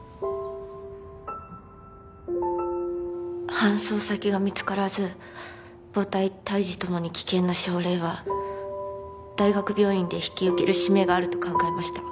搬送先が見つからず母体胎児ともに危険な症例は大学病院で引き受ける使命があると考えました。